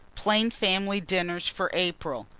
PLAIN FAMILY DINNERS FOR APRIL.